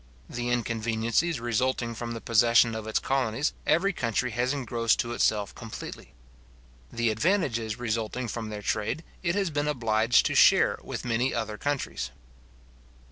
The inconveniencies resulting from the possession of its colonies, every country has engrossed to itself completely. The advantages resulting from their trade, it has been obliged to share with many other countries.